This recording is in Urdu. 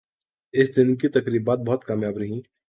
اس دن کی تقریبات بہت کامیاب رہیں ۔